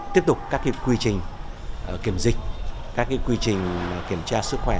tiếp tục các quy trình kiểm dịch các quy trình kiểm tra sức khỏe